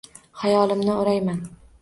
Xayolimni o’rayman.